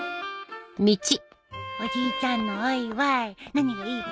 おじいちゃんのお祝い何がいいかな。